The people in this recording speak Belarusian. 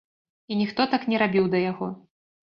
І ніхто так не рабіў да яго.